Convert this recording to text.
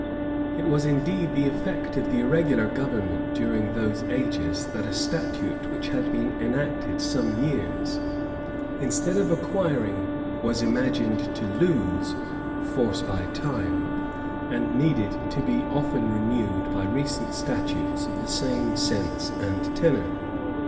It was indeed the effect of the irregular government during those ages, that a statute which had been enacted some years, instead of acquiring, was imagined to lose, force by time, and needed to be often renewed by recent statutes of the same sense and tenor.